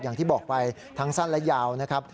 อย่างที่บอกไปทั้งสั้นและยาวนะครับ